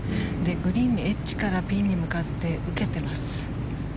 グリーンのエッジからピンに向かって受けてます。